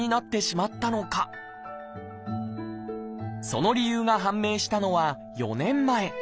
その理由が判明したのは４年前。